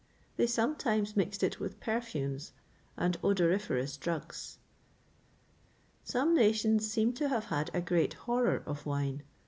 [XXVIII 15] They sometimes mixed with it perfumes and odoriferous drugs.[XXVIII 16] Some nations seem to have had a great horror of wine.